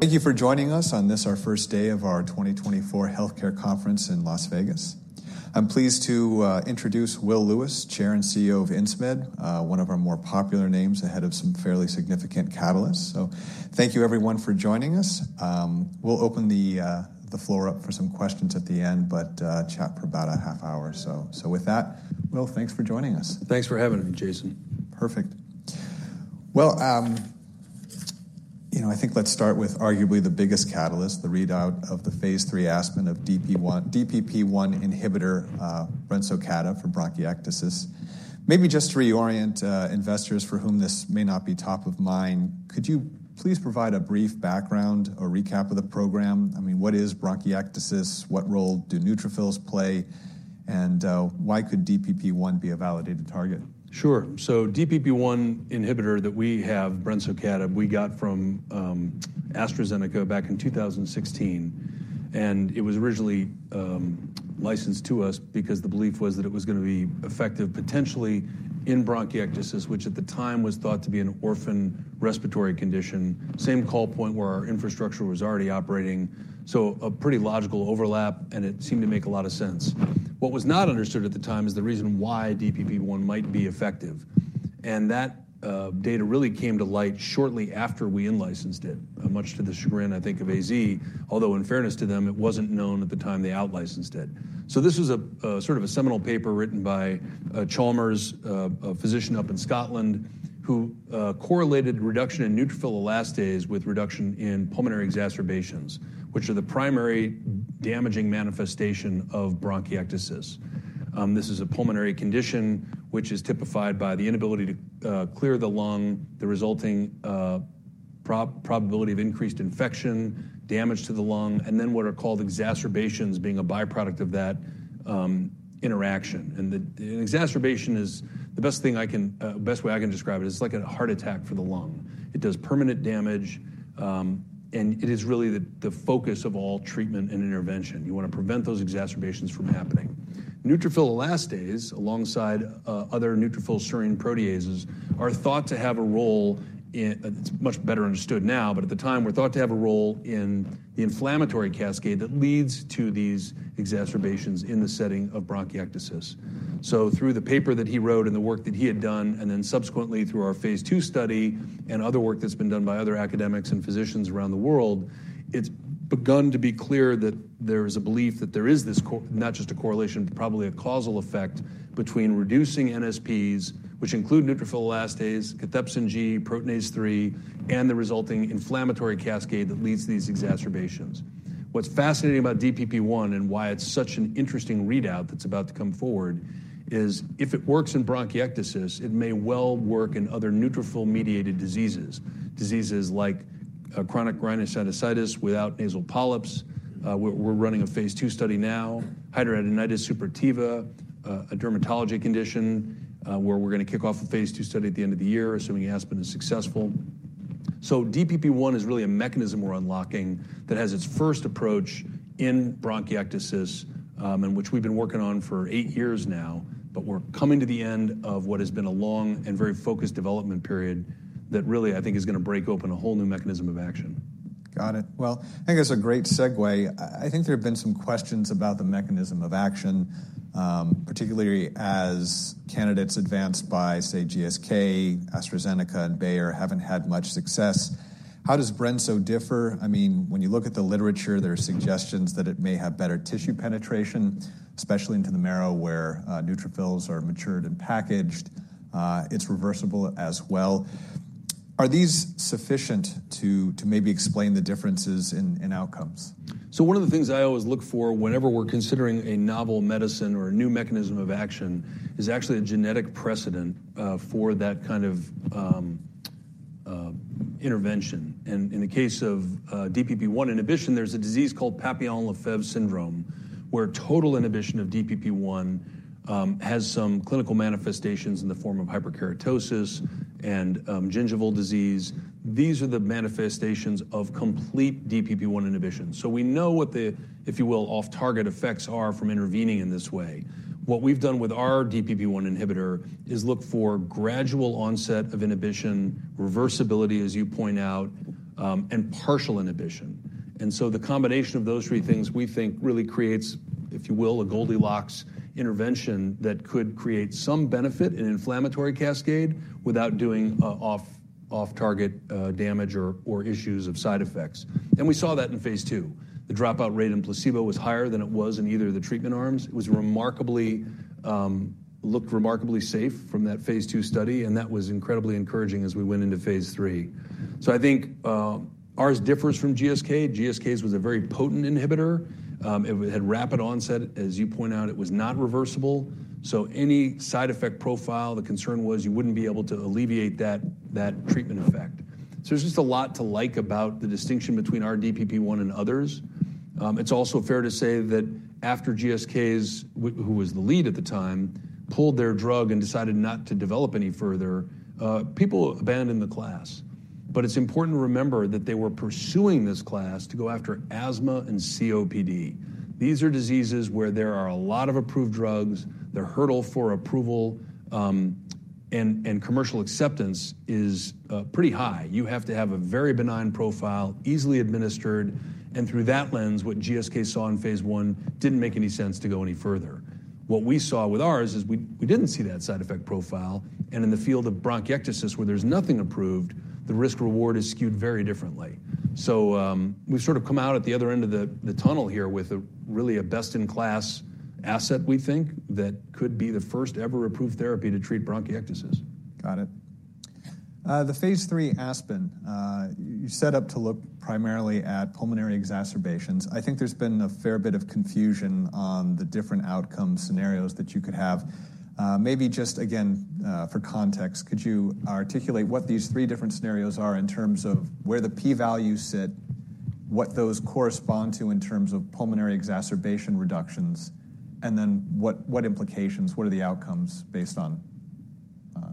Thank you for joining us on this our first day of our 2024 healthcare conference in Las Vegas. I'm pleased to introduce Will Lewis, Chair and CEO of Insmed, one of our more popular names ahead of some fairly significant catalysts. So thank you, everyone, for joining us. We'll open the floor up for some questions at the end, but chat for about a half hour. So with that, Will, thanks for joining us. Thanks for having me, Jason. Perfect. Well, you know, I think let's start with arguably the biggest catalyst, the readout of the phase 3 ASPEN of DPP1 inhibitor, brensocatib for bronchiectasis. Maybe just to reorient investors for whom this may not be top of mind, could you please provide a brief background, a recap of the program? I mean, what is bronchiectasis, what role do neutrophils play, and why could DPP1 be a validated target? Sure. So DPP1 inhibitor that we have, brensocatib, we got from AstraZeneca back in 2016, and it was originally licensed to us because the belief was that it was going to be effective potentially in bronchiectasis, which at the time was thought to be an orphan respiratory condition, same call point where our infrastructure was already operating. So a pretty logical overlap, and it seemed to make a lot of sense. What was not understood at the time is the reason why DPP1 might be effective, and that data really came to light shortly after we in-licensed it, much to the chagrin, I think, of AZ, although in fairness to them, it wasn't known at the time they outlicensed it. So this was a sort of a seminal paper written by Chalmers, a physician up in Scotland who correlated reduction in neutrophil elastase with reduction in pulmonary exacerbations, which are the primary damaging manifestation of bronchiectasis. This is a pulmonary condition which is typified by the inability to clear the lung, the resulting probability of increased infection, damage to the lung, and then what are called exacerbations being a byproduct of that interaction. An exacerbation is the best way I can describe it: like a heart attack for the lung. It does permanent damage, and it is really the focus of all treatment and intervention. You want to prevent those exacerbations from happening. Neutrophil elastase, alongside other neutrophil serine proteases, are thought to have a role in it. It's much better understood now, but at the time were thought to have a role in the inflammatory cascade that leads to these exacerbations in the setting of bronchiectasis. So through the paper that he wrote and the work that he had done, and then subsequently through our phase 2 study and other work that's been done by other academics and physicians around the world, it's begun to be clear that there is a belief that there is this, or not just a correlation, probably a causal effect between reducing NSPs, which include neutrophil elastase, cathepsin G, proteinase 3, and the resulting inflammatory cascade that leads to these exacerbations. What's fascinating about DPP1 and why it's such an interesting readout that's about to come forward is if it works in bronchiectasis, it may well work in other neutrophil-mediated diseases, diseases like chronic rhinosinusitis without nasal polyps. We're, we're running a phase II study now, hidradenitis suppurativa, a dermatologic condition, where we're going to kick off a phase II study at the end of the year, assuming ASPEN is successful. So DPP1 is really a mechanism we're unlocking that has its first approach in bronchiectasis, and which we've been working on for eight years now, but we're coming to the end of what has been a long and very focused development period that really, I think, is going to break open a whole new mechanism of action. Got it. Well, I think that's a great segue. I, I think there have been some questions about the mechanism of action, particularly as candidates advanced by, say, GSK, AstraZeneca, and Bayer haven't had much success. How does brensocatib differ? I mean, when you look at the literature, there are suggestions that it may have better tissue penetration, especially into the marrow where, neutrophils are matured and packaged. It's reversible as well. Are these sufficient to, to maybe explain the differences in, in outcomes? So one of the things I always look for whenever we're considering a novel medicine or a new mechanism of action is actually a genetic precedent for that kind of intervention. In the case of DPP1 inhibition, there's a disease called Papillon-Lefèvre syndrome where total inhibition of DPP1 has some clinical manifestations in the form of hyperkeratosis and gingival disease. These are the manifestations of complete DPP1 inhibition. We know what the, if you will, off-target effects are from intervening in this way. What we've done with our DPP1 inhibitor is look for gradual onset of inhibition, reversibility, as you point out, and partial inhibition. So the combination of those three things we think really creates, if you will, a Goldilocks intervention that could create some benefit in inflammatory cascade without doing off-target damage or issues of side effects. We saw that in phase II. The dropout rate in placebo was higher than it was in either of the treatment arms. It was remarkably, looked remarkably safe from that phase II study, and that was incredibly encouraging as we went into phase III. So I think, ours differs from GSK. GSK was a very potent inhibitor. It had rapid onset, as you point out. It was not reversible. So any side effect profile, the concern was you wouldn't be able to alleviate that, that treatment effect. So there's just a lot to like about the distinction between our DPP1 and others. It's also fair to say that after GSK who was the lead at the time pulled their drug and decided not to develop any further, people abandoned the class. But it's important to remember that they were pursuing this class to go after asthma and COPD. These are diseases where there are a lot of approved drugs. The hurdle for approval and commercial acceptance is pretty high. You have to have a very benign profile, easily administered, and through that lens, what GSK saw in phase I didn't make any sense to go any further. What we saw with ours is we didn't see that side effect profile. And in the field of bronchiectasis, where there's nothing approved, the risk-reward is skewed very differently. So, we've sort of come out at the other end of the tunnel here with a really a best-in-class asset, we think, that could be the first-ever approved therapy to treat bronchiectasis. Got it. The phase III ASPEN, you set up to look primarily at pulmonary exacerbations. I think there's been a fair bit of confusion on the different outcome scenarios that you could have. Maybe just, again, for context, could you articulate what these three different scenarios are in terms of where the p-values sit, what those correspond to in terms of pulmonary exacerbation reductions, and then what, what implications, what are the outcomes based on,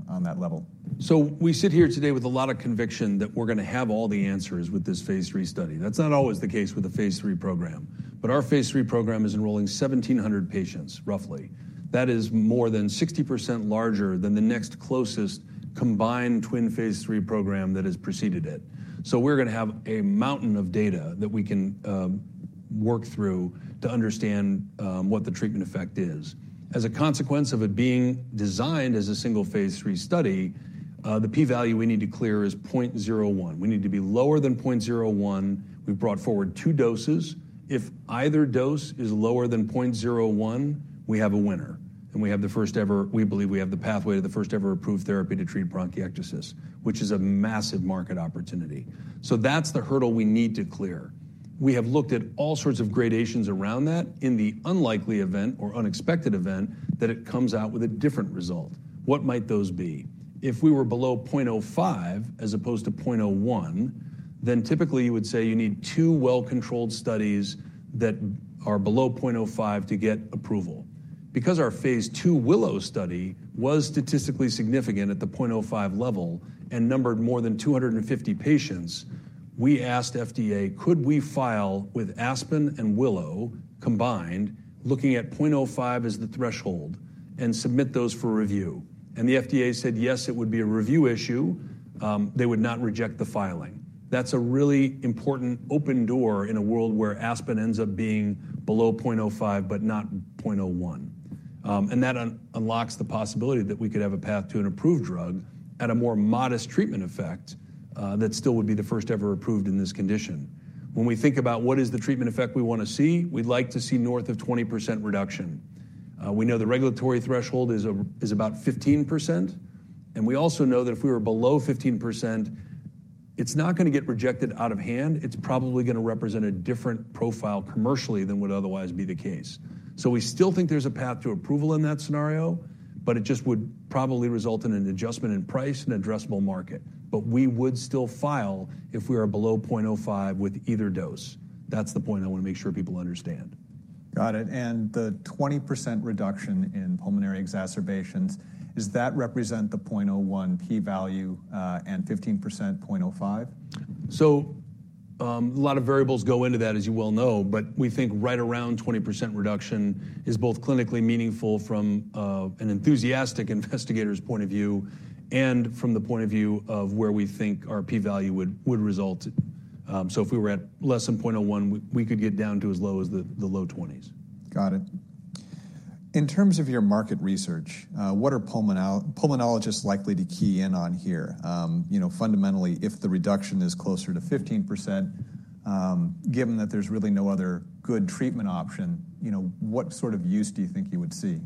on that level? So we sit here today with a lot of conviction that we're going to have all the answers with this phase III study. That's not always the case with the phase III program, but our phase III program is enrolling 1,700 patients, roughly. That is more than 60% larger than the next closest combined twin phase III program that has preceded it. So we're going to have a mountain of data that we can, work through to understand, what the treatment effect is. As a consequence of it being designed as a single phase III study, the p-value we need to clear is 0.01. We need to be lower than 0.01. We've brought forward two doses. If either dose is lower than 0.01, we have a winner, and we have the first-ever we believe we have the pathway to the first-ever approved therapy to treat bronchiectasis, which is a massive market opportunity. So that's the hurdle we need to clear. We have looked at all sorts of gradations around that in the unlikely event or unexpected event that it comes out with a different result. What might those be? If we were below 0.05 as opposed to 0.01, then typically you would say you need two well-controlled studies that are below 0.05 to get approval. Because our phase II WILLOW study was statistically significant at the 0.05 level and numbered more than 250 patients, we asked FDA, "Could we file with ASPEN and WILLOW combined, looking at 0.05 as the threshold, and submit those for review?" And the FDA said, "Yes, it would be a review issue. They would not reject the filing." That's a really important open door in a world where ASPEN ends up being below 0.05 but not 0.01. And that unlocks the possibility that we could have a path to an approved drug at a more modest treatment effect, that still would be the first-ever approved in this condition. When we think about what is the treatment effect we want to see, we'd like to see north of 20% reduction. We know the regulatory threshold is about 15%, and we also know that if we were below 15%, it's not going to get rejected out of hand. It's probably going to represent a different profile commercially than would otherwise be the case. So we still think there's a path to approval in that scenario, but it just would probably result in an adjustment in price, an addressable market. But we would still file if we are below 0.05 with either dose. That's the point I want to make sure people understand. Got it. And the 20% reduction in pulmonary exacerbations, does that represent the 0.01 p-value, and 15% 0.05? So, a lot of variables go into that, as you well know, but we think right around 20% reduction is both clinically meaningful from an enthusiastic investigator's point of view and from the point of view of where we think our p-value would result. So if we were at less than 0.01, we could get down to as low as the low 20s. Got it. In terms of your market research, what are pulmonary pulmonologists likely to key in on here? You know, fundamentally, if the reduction is closer to 15%, given that there's really no other good treatment option, you know, what sort of use do you think you would see?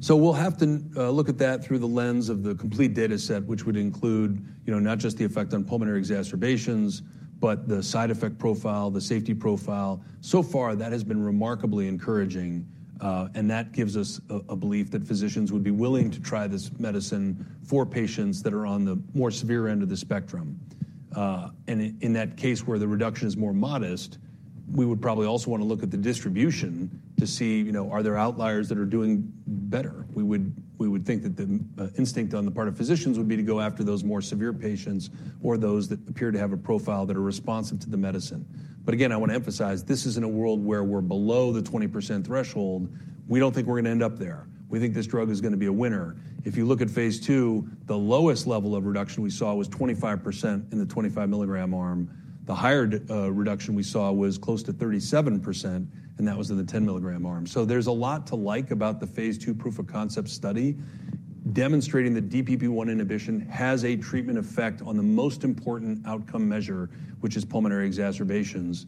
So we'll have to look at that through the lens of the complete dataset, which would include, you know, not just the effect on pulmonary exacerbations but the side effect profile, the safety profile. So far, that has been remarkably encouraging, and that gives us a belief that physicians would be willing to try this medicine for patients that are on the more severe end of the spectrum. And in that case where the reduction is more modest, we would probably also want to look at the distribution to see, you know, are there outliers that are doing better? We would think that the instinct on the part of physicians would be to go after those more severe patients or those that appear to have a profile that are responsive to the medicine. But again, I want to emphasize, this is in a world where we're below the 20% threshold. We don't think we're going to end up there. We think this drug is going to be a winner. If you look at phase II, the lowest level of reduction we saw was 25% in the 25-milligram arm. The higher reduction we saw was close to 37%, and that was in the 10-milligram arm. So there's a lot to like about the phase II proof of concept study demonstrating that DPP1 inhibition has a treatment effect on the most important outcome measure, which is pulmonary exacerbations.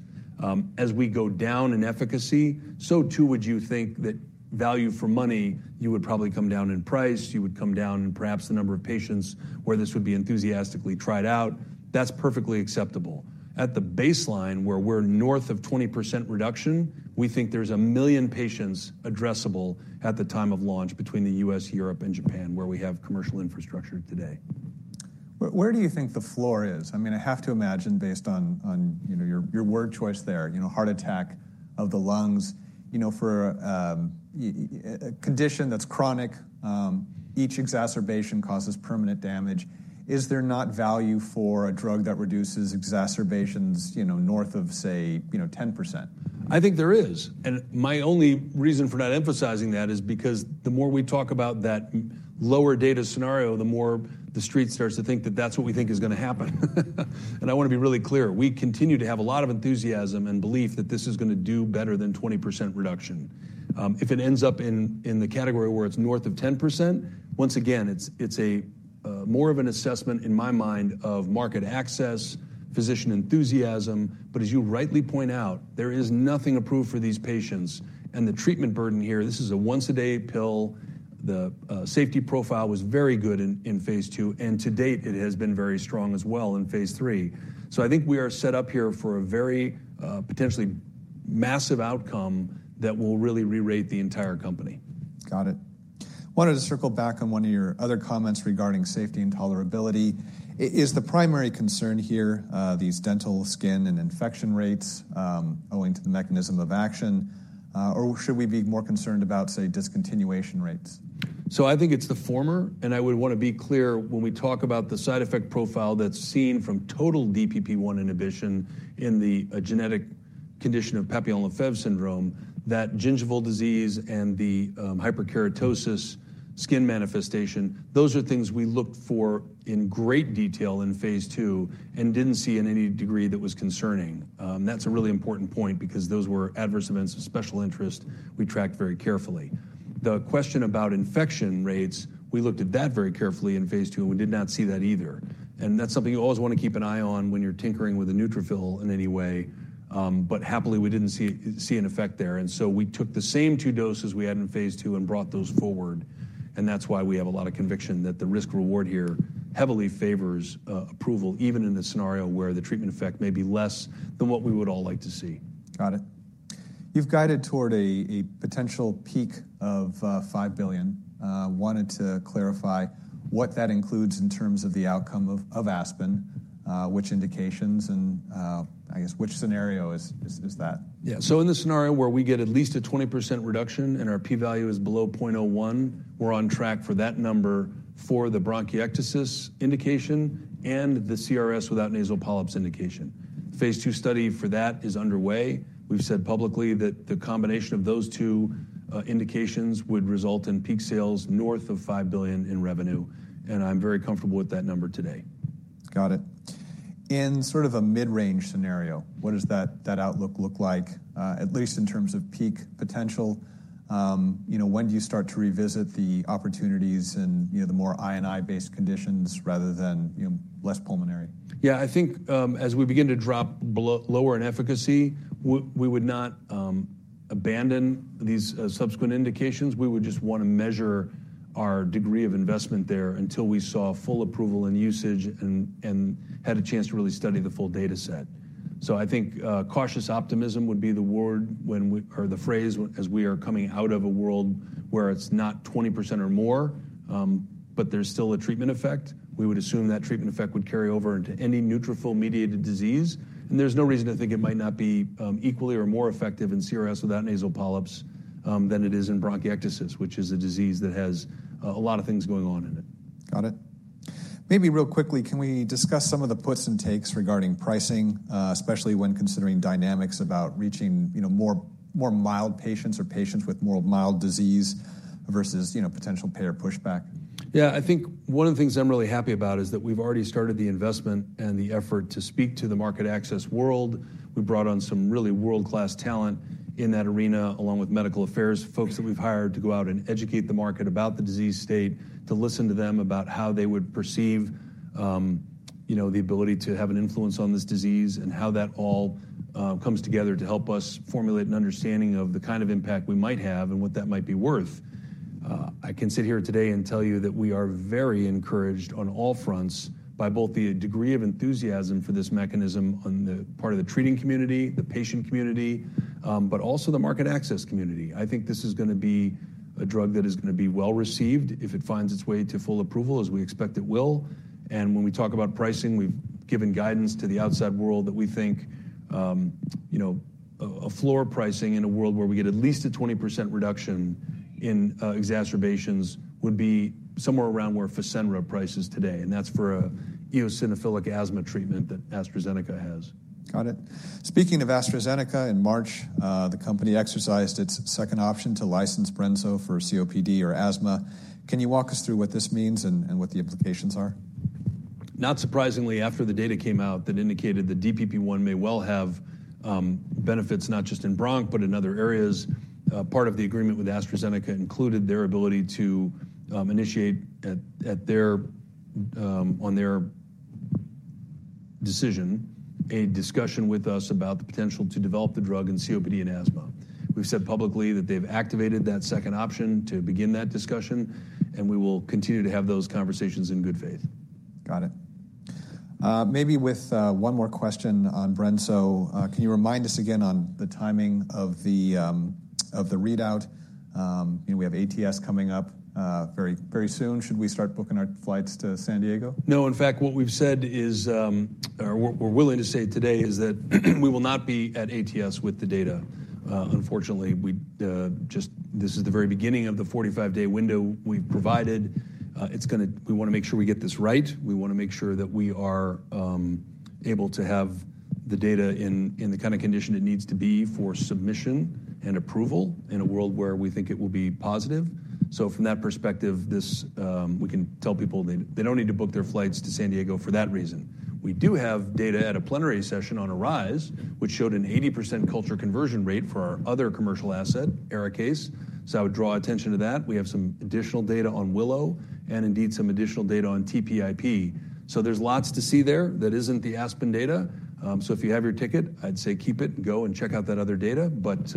As we go down in efficacy, so too would you think that value for money. You would probably come down in price. You would come down in perhaps the number of patients where this would be enthusiastically tried out. That's perfectly acceptable. At the baseline, where we're north of 20% reduction, we think there's 1 million patients addressable at the time of launch between the US, Europe, and Japan, where we have commercial infrastructure today. Where do you think the floor is? I mean, I have to imagine based on, you know, your word choice there, you know, heart attack of the lungs. You know, for a condition that's chronic, each exacerbation causes permanent damage. Is there not value for a drug that reduces exacerbations, you know, north of, say, you know, 10%? I think there is. And my only reason for not emphasizing that is because the more we talk about that lower data scenario, the more the street starts to think that that's what we think is going to happen. And I want to be really clear. We continue to have a lot of enthusiasm and belief that this is going to do better than 20% reduction. If it ends up in, in the category where it's north of 10%, once again, it's, it's a, more of an assessment, in my mind, of market access, physician enthusiasm. But as you rightly point out, there is nothing approved for these patients. And the treatment burden here, this is a once-a-day pill. The safety profile was very good in, in phase II, and to date, it has been very strong as well in phase III. I think we are set up here for a very, potentially massive outcome that will really rerate the entire company. Got it. I wanted to circle back on one of your other comments regarding safety and tolerability. Is the primary concern here, these dental, skin, and infection rates, owing to the mechanism of action, or should we be more concerned about, say, discontinuation rates? I think it's the former. I would want to be clear, when we talk about the side effect profile that's seen from total DPP1 inhibition in the genetic condition of Papillon-Lefèvre syndrome, that gingival disease and the hyperkeratosis skin manifestation, those are things we looked for in great detail in phase II and didn't see in any degree that was concerning. That's a really important point because those were adverse events of special interest we tracked very carefully. The question about infection rates, we looked at that very carefully in phase II, and we did not see that either. That's something you always want to keep an eye on when you're tinkering with a neutrophil in any way. Happily, we didn't see an effect there. So we took the same two doses we had in phase II and brought those forward. That's why we have a lot of conviction that the risk-reward here heavily favors approval, even in a scenario where the treatment effect may be less than what we would all like to see. Got it. You've guided toward a potential peak of $5 billion. Wanted to clarify what that includes in terms of the outcome of ASPEN, which indications and, I guess, which scenario is that? Yeah. So in the scenario where we get at least a 20% reduction and our p-value is below 0.01, we're on track for that number for the bronchiectasis indication and the CRS without nasal polyps indication. Phase II study for that is underway. We've said publicly that the combination of those two indications would result in peak sales north of $5 billion in revenue. And I'm very comfortable with that number today. Got it. In sort of a mid-range scenario, what does that, that outlook look like, at least in terms of peak potential? You know, when do you start to revisit the opportunities in, you know, the more I&I-based conditions rather than, you know, less pulmonary? Yeah. I think, as we begin to drop below lower in efficacy, we would not abandon these subsequent indications. We would just want to measure our degree of investment there until we saw full approval in usage and had a chance to really study the full dataset. So I think cautious optimism would be the word or the phrase as we are coming out of a world where it's not 20% or more, but there's still a treatment effect. We would assume that treatment effect would carry over into any neutrophil-mediated disease. And there's no reason to think it might not be equally or more effective in CRS without nasal polyps than it is in bronchiectasis, which is a disease that has a lot of things going on in it. Got it. Maybe real quickly, can we discuss some of the puts and takes regarding pricing, especially when considering dynamics about reaching, you know, more, more mild patients or patients with more mild disease versus, you know, potential payer pushback? Yeah. I think one of the things I'm really happy about is that we've already started the investment and the effort to speak to the market access world. We brought on some really world-class talent in that arena along with medical affairs, folks that we've hired to go out and educate the market about the disease state, to listen to them about how they would perceive, you know, the ability to have an influence on this disease and how that all comes together to help us formulate an understanding of the kind of impact we might have and what that might be worth. I can sit here today and tell you that we are very encouraged on all fronts by both the degree of enthusiasm for this mechanism on the part of the treating community, the patient community, but also the market access community. I think this is going to be a drug that is going to be well-received if it finds its way to full approval, as we expect it will. And when we talk about pricing, we've given guidance to the outside world that we think, you know, a floor pricing in a world where we get at least a 20% reduction in exacerbations would be somewhere around where Fasenra prices today. And that's for a eosinophilic asthma treatment that AstraZeneca has. Got it. Speaking of AstraZeneca, in March, the company exercised its second option to license brensocatib for COPD or asthma. Can you walk us through what this means and what the implications are? Not surprisingly, after the data came out that indicated the DPP1 may well have benefits not just in bronch but in other areas, part of the agreement with AstraZeneca included their ability to initiate at their, on their decision, a discussion with us about the potential to develop the drug in COPD and asthma. We've said publicly that they've activated that second option to begin that discussion, and we will continue to have those conversations in good faith. Got it. Maybe with one more question on brensocatib, can you remind us again on the timing of the readout? You know, we have ATS coming up very, very soon. Should we start booking our flights to San Diego? No. In fact, what we've said is, or we're, we're willing to say today is that we will not be at ATS with the data. Unfortunately, we, just this is the very beginning of the 45-day window we've provided. It's going to we want to make sure we get this right. We want to make sure that we are able to have the data in, in the kind of condition it needs to be for submission and approval in a world where we think it will be positive. So from that perspective, this, we can tell people they, they don't need to book their flights to San Diego for that reason. We do have data at a plenary session on ARISE, which showed an 80% culture conversion rate for our other commercial asset, ARIKAYCE. So I would draw attention to that. We have some additional data on WILLOW and, indeed, some additional data on TPIP. So there's lots to see there that isn't the ASPEN data. So if you have your ticket, I'd say keep it and go and check out that other data. But,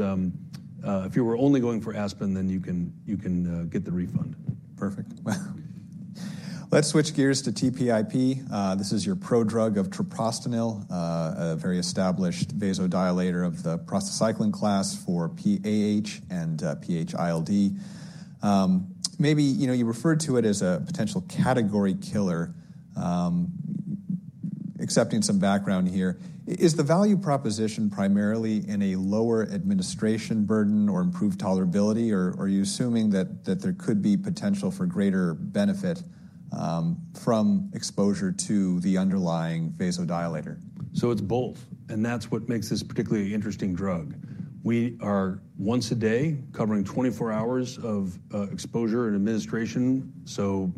if you were only going for ASPEN, then you can get the refund. Perfect. Wow. Let's switch gears to TPIP. This is your prodrug of treprostinil, a very established vasodilator of the prostacyclin class for PAH and PH-ILD. Maybe, you know, you referred to it as a potential category killer, assuming some background here. Is the value proposition primarily in a lower administration burden or improved tolerability, or, or are you assuming that, that there could be potential for greater benefit from exposure to the underlying vasodilator? So it's both. And that's what makes this particularly interesting drug. We are once a day covering 24 hours of exposure and administration. So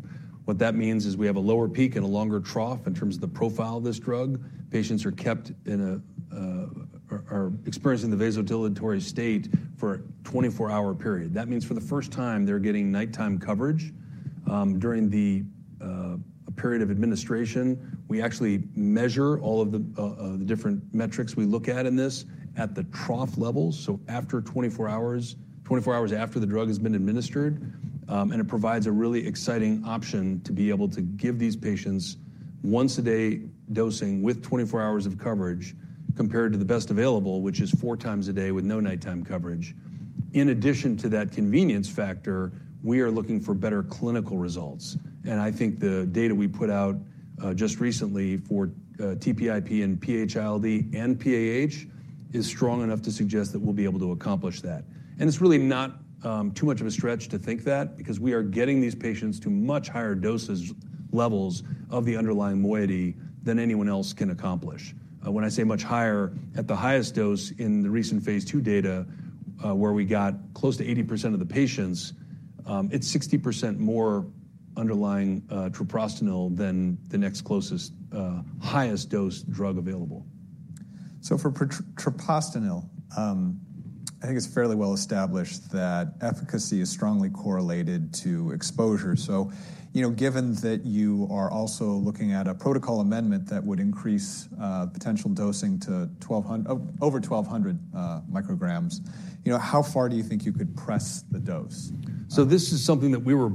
what that means is we have a lower peak and a longer trough in terms of the profile of this drug. Patients are kept in a vasodilatory state, experiencing the vasodilatory state for a 24-hour period. That means for the first time, they're getting nighttime coverage. During the period of administration, we actually measure all of the different metrics we look at in this at the trough level, so after 24 hours—24 hours after the drug has been administered, and it provides a really exciting option to be able to give these patients once-a-day dosing with 24 hours of coverage compared to the best available, which is 4 times a day with no nighttime coverage. In addition to that convenience factor, we are looking for better clinical results. And I think the data we put out just recently for TPIP and PH-ILD and PAH is strong enough to suggest that we'll be able to accomplish that. And it's really not too much of a stretch to think that because we are getting these patients to much higher dose levels of the underlying moiety than anyone else can accomplish. When I say much higher, at the highest dose in the recent Phase II data, where we got close to 80% of the patients, it's 60% more underlying treprostinil than the next closest highest dose drug available. So for treprostinil, I think it's fairly well established that efficacy is strongly correlated to exposure. So, you know, given that you are also looking at a protocol amendment that would increase potential dosing to 1,200 over 1,200 micrograms, you know, how far do you think you could press the dose? So this is something that we were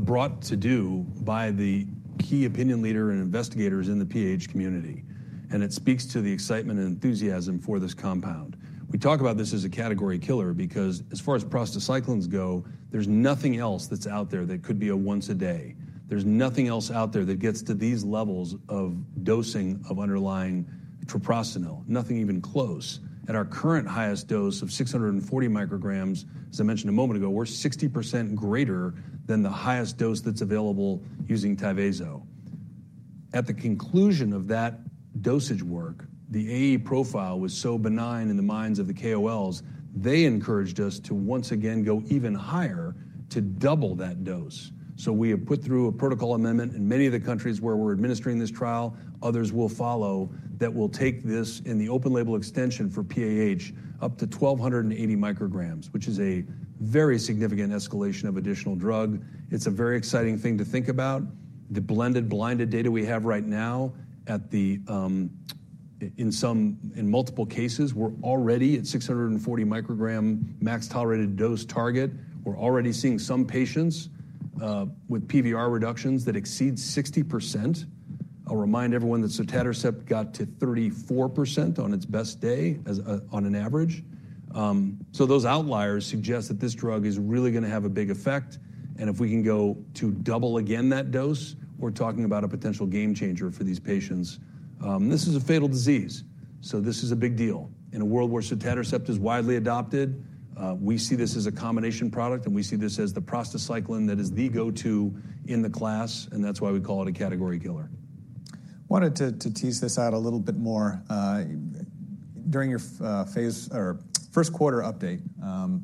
brought to do by the key opinion leader and investigators in the PAH community. It speaks to the excitement and enthusiasm for this compound. We talk about this as a category killer because, as far as prostacyclins go, there's nothing else that's out there that could be a once-a-day. There's nothing else out there that gets to these levels of dosing of underlying treprostinil, nothing even close. At our current highest dose of 640 micrograms, as I mentioned a moment ago, we're 60% greater than the highest dose that's available using Tyvaso. At the conclusion of that dosage work, the AE profile was so benign in the minds of the KOLs, they encouraged us to once again go even higher to double that dose. So we have put through a protocol amendment. In many of the countries where we're administering this trial, others will follow that will take this in the open-label extension for PAH up to 1,280 micrograms, which is a very significant escalation of additional drug. It's a very exciting thing to think about. The blended blinded data we have right now at the, in some in multiple cases, we're already at 640 microgram max tolerated dose target. We're already seeing some patients, with PVR reductions that exceed 60%. I'll remind everyone that sotatercept got to 34% on its best day as, on an average. So those outliers suggest that this drug is really going to have a big effect. And if we can go to double again that dose, we're talking about a potential game changer for these patients. This is a fatal disease. So this is a big deal. In a world where sotatercept is widely adopted, we see this as a combination product, and we see this as the prostacyclin that is the go-to in the class. That's why we call it a category killer. Wanted to tease this out a little bit more. During your phase or first quarter update,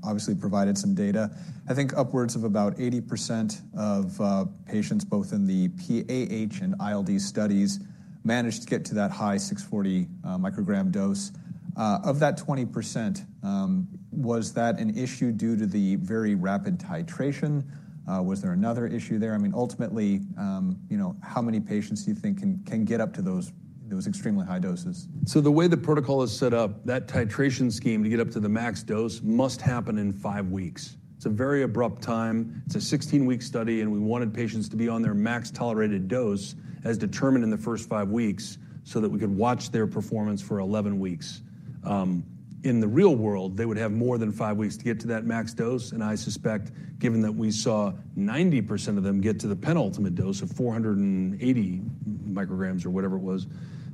obviously provided some data. I think upwards of about 80% of patients both in the PAH and ILD studies managed to get to that high 640-microgram dose. Of that 20%, was that an issue due to the very rapid titration? Was there another issue there? I mean, ultimately, you know, how many patients do you think can get up to those extremely high doses? So the way the protocol is set up, that titration scheme to get up to the max dose must happen in 5 weeks. It's a very abrupt time. It's a 16-week study. And we wanted patients to be on their max tolerated dose as determined in the first 5 weeks so that we could watch their performance for 11 weeks. In the real world, they would have more than 5 weeks to get to that max dose. And I suspect, given that we saw 90% of them get to the penultimate dose of 480 micrograms or whatever it was,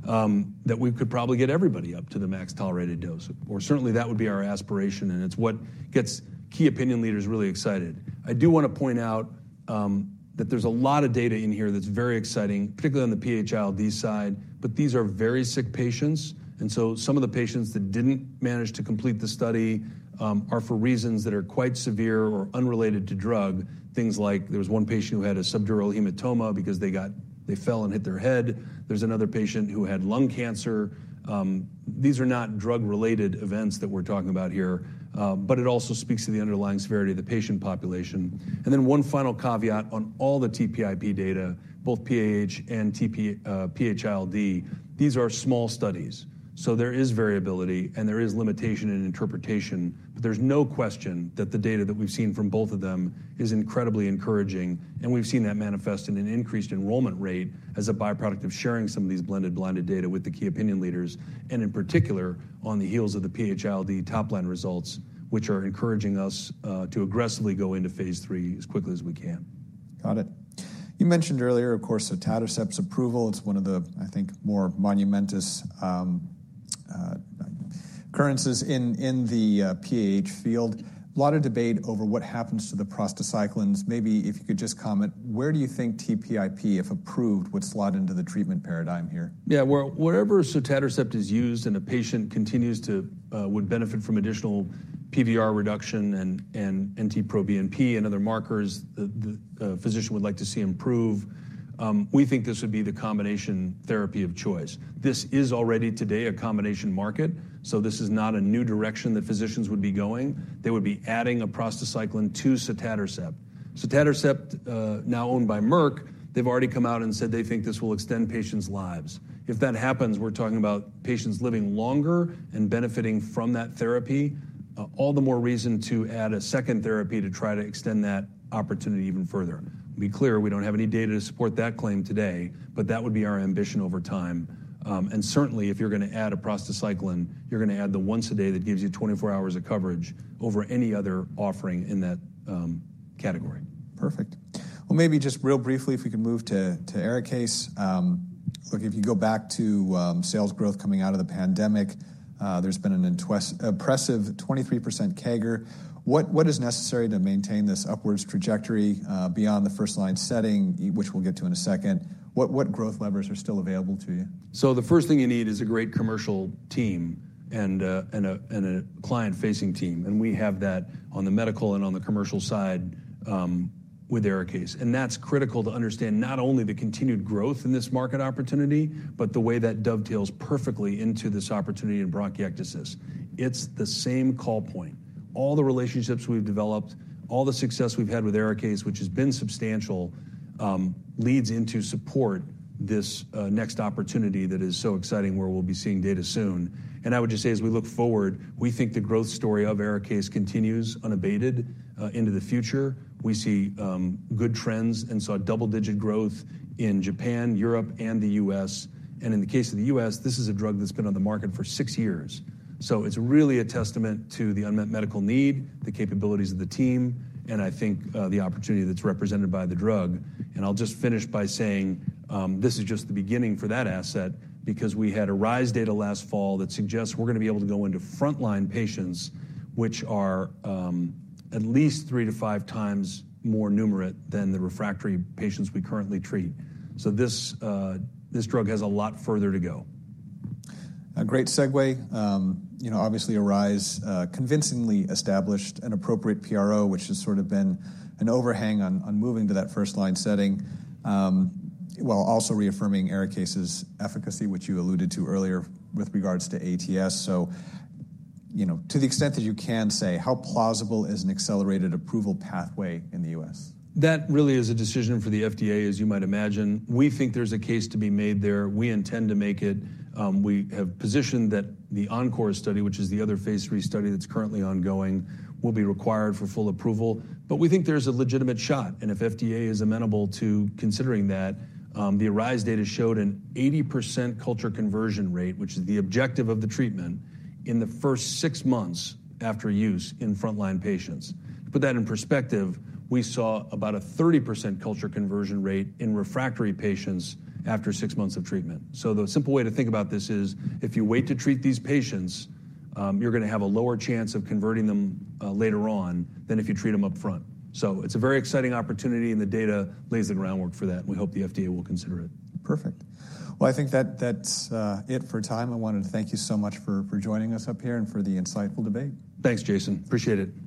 that we could probably get everybody up to the max tolerated dose. Or certainly, that would be our aspiration. And it's what gets key opinion leaders really excited. I do want to point out, that there's a lot of data in here that's very exciting, particularly on the PH-ILD side. But these are very sick patients. And so some of the patients that didn't manage to complete the study are for reasons that are quite severe or unrelated to drug, things like there was one patient who had a subdural hematoma because they fell and hit their head. There's another patient who had lung cancer. These are not drug-related events that we're talking about here, but it also speaks to the underlying severity of the patient population. And then one final caveat on all the TPIP data, both PAH and PH-ILD. These are small studies. So there is variability, and there is limitation in interpretation. But there's no question that the data that we've seen from both of them is incredibly encouraging. We've seen that manifest in an increased enrollment rate as a byproduct of sharing some of these blended blinded data with the key opinion leaders and, in particular, on the heels of the PH-ILD top-line results, which are encouraging us to aggressively go into phase III as quickly as we can. Got it. You mentioned earlier, of course, sotatercept's approval. It's one of the, I think, more momentous, occurrences in, in the, PAH field. A lot of debate over what happens to the prostacyclins. Maybe if you could just comment, where do you think TPIP, if approved, would slot into the treatment paradigm here? Yeah. Wherever sotatercept is used and a patient continues to would benefit from additional PVR reduction and NT-proBNP and other markers that the physician would like to see improve, we think this would be the combination therapy of choice. This is already today a combination market. So this is not a new direction that physicians would be going. They would be adding a prostacyclin to sotatercept. Sotatercept, now owned by Merck, they've already come out and said they think this will extend patients' lives. If that happens, we're talking about patients living longer and benefiting from that therapy, all the more reason to add a second therapy to try to extend that opportunity even further. To be clear, we don't have any data to support that claim today, but that would be our ambition over time. And certainly, if you're going to add a prostacyclin, you're going to add the once-a-day that gives you 24 hours of coverage over any other offering in that category. Perfect. Well, maybe just real briefly, if we could move to ARIKAYCE, look, if you go back to sales growth coming out of the pandemic, there's been an impressive 23% CAGR. What is necessary to maintain this upwards trajectory, beyond the first-line setting, which we'll get to in a second? What growth levers are still available to you? So the first thing you need is a great commercial team and, and, a client-facing team. And we have that on the medical and on the commercial side, with ARIKAYCE. And that's critical to understand, not only the continued growth in this market opportunity, but the way that dovetails perfectly into this opportunity in bronchiectasis. It's the same call point. All the relationships we've developed, all the success we've had with ARIKAYCE, which has been substantial, leads into supporting this next opportunity that is so exciting where we'll be seeing data soon. And I would just say, as we look forward, we think the growth story of ARIKAYCE continues unabated into the future. We see good trends and saw double-digit growth in Japan, Europe, and the U.S. And in the case of the U.S., this is a drug that's been on the market for six years. So it's really a testament to the unmet medical need, the capabilities of the team, and I think, the opportunity that's represented by the drug. And I'll just finish by saying, this is just the beginning for that asset because we had ARISE data last fall that suggests we're going to be able to go into front-line patients, which are, at least 3-5 times more numerous than the refractory patients we currently treat. So this, this drug has a lot further to go. A great segue. You know, obviously, ARISE convincingly established an appropriate PRO, which has sort of been an overhang on, on moving to that first-line setting, while also reaffirming ARIKAYCE's efficacy, which you alluded to earlier with regards to ATS. So, you know, to the extent that you can say, how plausible is an accelerated approval pathway in the US? That really is a decision for the FDA, as you might imagine. We think there's a case to be made there. We intend to make it. We have positioned that the ENCORE study, which is the other phase III study that's currently ongoing, will be required for full approval. But we think there's a legitimate shot. And if FDA is amenable to considering that, the ARISE data showed an 80% culture conversion rate, which is the objective of the treatment, in the first six months after use in front-line patients. To put that in perspective, we saw about a 30% culture conversion rate in refractory patients after six months of treatment. So the simple way to think about this is, if you wait to treat these patients, you're going to have a lower chance of converting them, later on than if you treat them upfront. It's a very exciting opportunity, and the data lays the groundwork for that. We hope the FDA will consider it. Perfect. Well, I think that's it for time. I wanted to thank you so much for joining us up here and for the insightful debate. Thanks, Jason. Appreciate it.